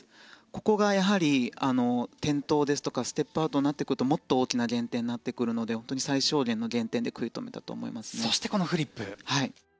ここがやはり転倒ですとかステップアウトになってくるともっと大きな減点になってくるので本当に最小限の減点でそしてこのフリップ。